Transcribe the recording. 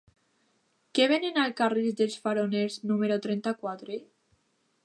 Què venen al carrer dels Faroners número trenta-quatre?